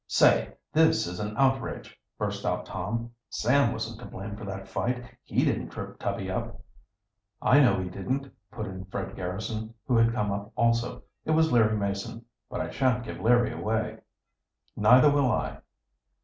"Say, this is an outrage," burst out Tom. "Sam wasn't to blame for that fight. He didn't trip Tubby up." "I know he didn't," put in Fred Garrison, who had come up also. "It was Larry Mason. But I shan't give Larry away." "Neither will I."